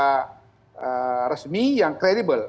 yang resmi yang kredibel